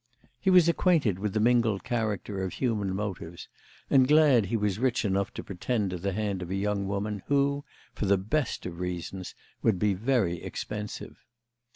He was acquainted with the mingled character of human motives and glad he was rich enough to pretend to the hand of a young woman who, for the best of reasons, would be very expensive.